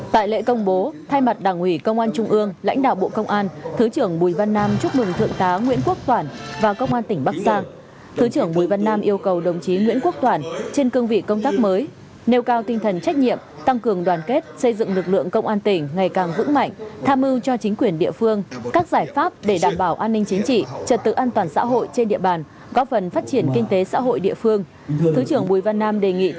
tại lễ công bố thứ trưởng bộ công an tỉnh bắc giang đến nhận công tác và giữ chức vụ giám đốc công an tỉnh bắc giang đến nhận công tác và giữ chức vụ giám đốc công an tỉnh bắc giang